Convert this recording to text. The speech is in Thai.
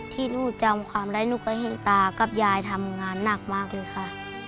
ที่นู่นจำความร้ายนู่คงก็เผ็ดตากับแยร่าทำงานหนักมากเลยค่ะ